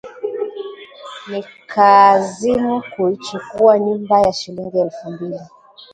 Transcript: Nikaazimu kuichukua nyumba ya shilingi elfu mbili